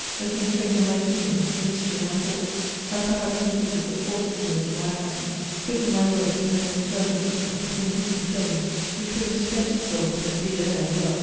The constraint of my feelings, the mystery of my thoughts have perhaps increased the forcefulness of my accents, quickened my works with an internal fever, with a hidden flame, which would have spent itself in the free air of love.